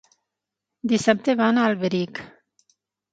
Dissabte van a Alberic.